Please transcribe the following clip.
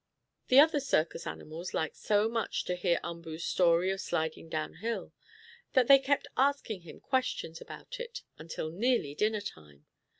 The other circus animals liked so much to hear Umboo's story of sliding down hill, that they kept asking him questions about it until nearly dinner time.